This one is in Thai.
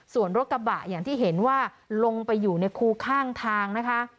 ส่วนรถกระบะอย่างที่เห็นว่าลงไปอยู่ในคูข้างทางนะคะ